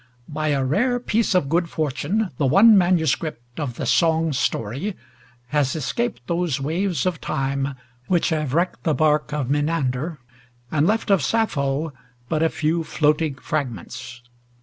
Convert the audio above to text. By a rare piece of good fortune the one manuscript of the Song Story has escaped those waves of time, which have wrecked the bark of Menander, and left of Sappho but a few floating fragments.